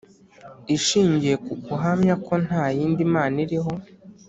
ishingiye ku guhamya ko nta yindi Mana iriho